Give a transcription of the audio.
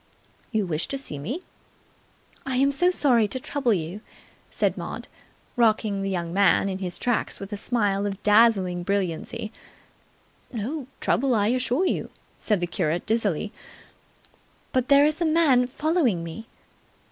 "You wished to see me?" "I am so sorry to trouble you," said Maud, rocking the young man in his tracks with a smile of dazzling brilliancy ("No trouble, I assure you," said the curate dizzily) "but there is a man following me!"